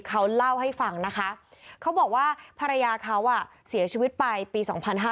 เขาเล่าให้ฟังนะคะเขาบอกว่าภรรยาเขาเสียชีวิตไปปี๒๕๕๙